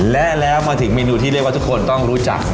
และแล้วมาถึงเมนูที่เรียกว่าทุกคนต้องรู้จัก